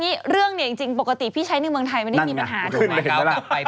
นี่คือเป็นเฉพาะเวลาไปต่างประเทศถูกไหม